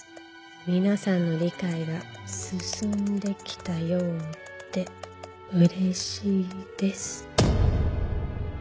「皆さんの理解が進んできたようでうれしいです」